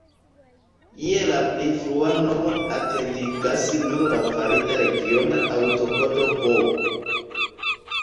Je la pli frua nomo atentigas nur la valida regiona aŭtokodo "B".